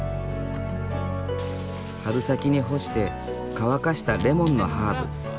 春先に干して乾かしたレモンのハーブ。